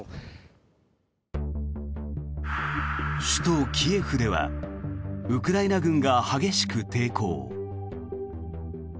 首都キエフではウクライナ軍が激しく抵抗。